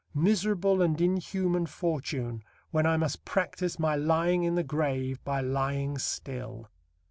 Miserable and inhuman fortune, when I must practise my lying in the grave by lying still."